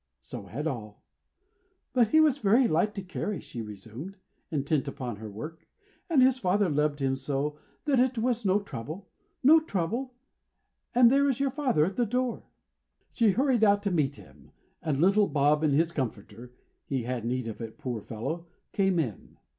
So had all. "But he was very light to carry," she resumed, intent upon her work, "and his father loved him so, that it was no trouble: no trouble. And there is your father at the door!" She hurried out to meet him; and little Bob in his comforter he had need of it, poor fellow came in.